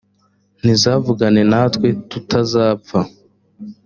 ntizavugane natwe tutazapfa